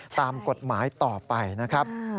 ตามกฎหมายต่อไปนะครับ